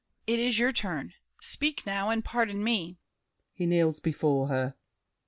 It is your turn. Speak now, and pardon me!